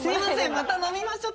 また飲みましょう。